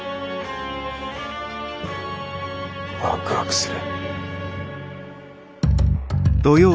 ワクワクする。